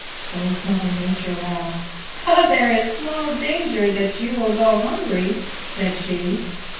Old Mother Nature laughed. "There is small danger that you will go hungry," said she.